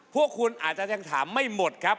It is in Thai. พวกคุณอาจจะยังถามไม่หมดครับ